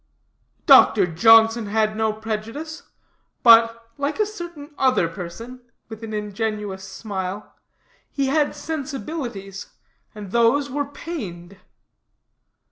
"Doctor Johnson had no prejudice; but, like a certain other person," with an ingenuous smile, "he had sensibilities, and those were pained."